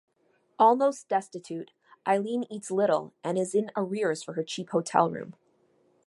Almost destitute, Eileen eats little and is in arrears for her cheap hotel room.